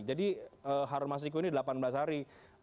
jadi harun masiku ini delapan belas hari